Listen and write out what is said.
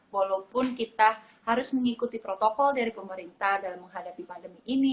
walaupun kita harus mengikuti protokol dari pemerintah dalam menghadapi pandemi ini